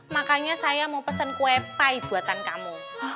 makanya saya mau pesen kue pie buatan kamu